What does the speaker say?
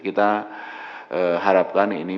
kita harapkan ini bisa mendorong pertumbuhan ekonomi